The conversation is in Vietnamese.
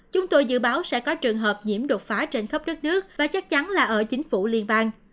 chúng tôi dự báo sẽ có trường hợp nhiễm đột phá trên khắp đất nước và chắc chắn là ở chính phủ liên bang